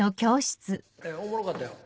おもろかったよ。